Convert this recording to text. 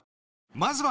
［まずは］